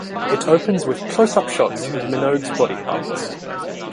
It opens with close-up shots of Minogue's body parts.